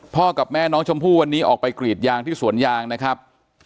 กับแม่น้องชมพู่วันนี้ออกไปกรีดยางที่สวนยางนะครับ